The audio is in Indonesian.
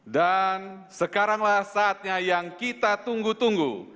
dan sekaranglah saatnya yang kita tunggu tunggu